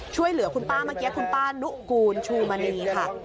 ช่วยเหลือคุณป้าเมื่อกี้คุณป้านุกูลชูมณีค่ะ